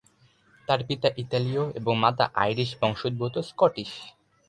তার পিতা ইতালীয় এবং মাতা আইরিশ বংশোদ্ভূত স্কটিশ।